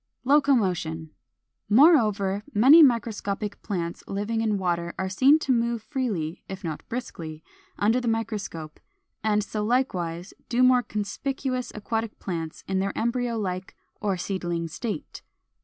] 460. =Locomotion.= Moreover, many microscopic plants living in water are seen to move freely, if not briskly, under the microscope; and so likewise do more conspicuous aquatic plants in their embryo like or seedling state.